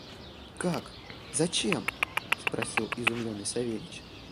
«Как! зачем?» – спросил изумленный Савельич.